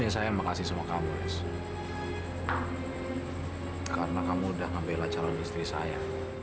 sampai jumpa di video selanjutnya